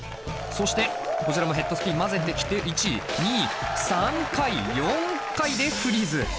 そしてこちらもヘッドスピン交ぜてきて１２３回４回でフリーズ。